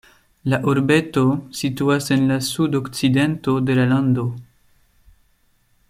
La urbeto situas en la sudokcidento de la lando.